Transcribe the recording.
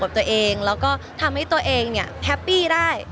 ตัวเองแล้วก็ทำให้ตัวเองเนี่ยแฮปปี้ได้